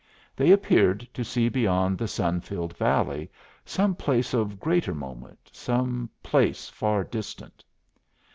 They appeared to see beyond the sun filled valley some place of greater moment, some place far distant.